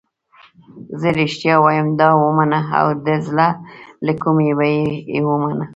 زه رښتیا وایم دا ومنه او د زړه له کومې یې ومنه.